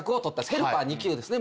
ヘルパー２級ですね